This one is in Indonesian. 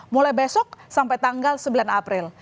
mulai besok sampai tanggal sembilan april